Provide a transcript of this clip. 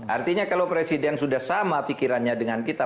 artinya kalau presiden sudah sama pikirannya dengan kita